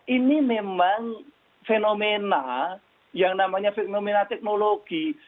ini memang fenomena yang namanya fenomena teknologi